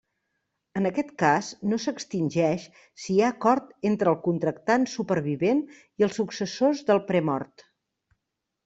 En aquest cas no s'extingeix si hi ha acord entre el contractant supervivent i els successors del premort.